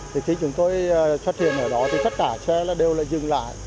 thì khi chúng tôi xuất hiện ở đó thì tất cả xe là đều là dừng lại